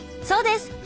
そうです。